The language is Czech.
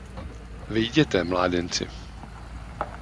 Vejděte, mládenci.